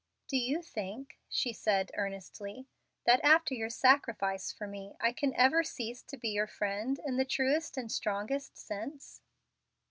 "Do you think," she said, earnestly, "that, after your sacrifice for me, I can ever cease to be your friend in the truest and strongest sense?"